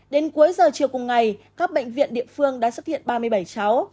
đến cuối giờ chiều cùng ngày các bệnh viện địa phương đã xuất hiện ba mươi bảy cháu